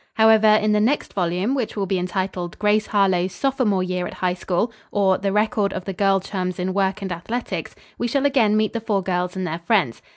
However, in the next volume, which will be entitled, "Grace Harlowe's Sophomore Year at High School; Or, the Record of the Girl Chums in Work and Athletics," we shall again meet the four girls and their friends.